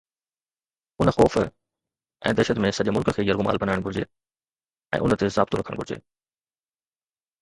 ان خوف ۽ دهشت ۾ سڄي ملڪ کي يرغمال بڻائڻ گهرجي ۽ ان تي ضابطو رکڻ گهرجي